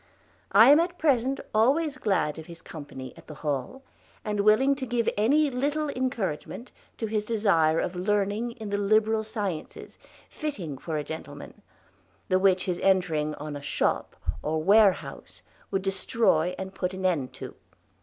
I am at present alwaies glad of his companie at the Hall, and willinge to give anye littel encourragement to his desier of learninge in the liberal sciences fitting for a gentleman, the wich his entring on a shoppe or warehouse would distroye and put an ende to.